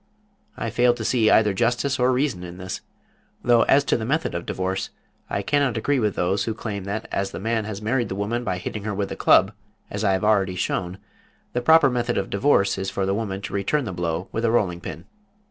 I fail to see either justice or reason in this, though as to the method of divorce I cannot agree with those who claim that as the man has married the woman by hitting her with a club, as I have already shown, the proper method of divorce is for the woman to return the blow with a rolling pin.